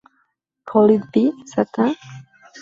Could It Be... Satan?